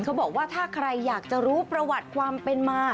เขาบอกว่าถ้าใครอยากจะรู้ประวัติความเป็นมา